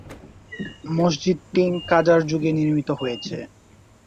মসজিদটি কাজার যুগে নির্মিত হয়েছে।